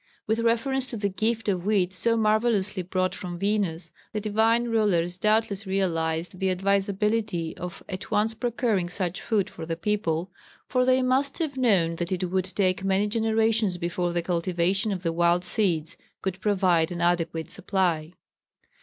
With reference to the gift of wheat so marvellously brought from Venus, the divine rulers doubtless realised the advisability of at once procuring such food for the people, for they must have known that it would take many generations before the cultivation of the wild seeds could provide an adequate supply.